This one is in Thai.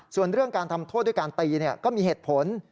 ส่วนเรื่องการทำโทษด้วยการตีก็มีเหตุผล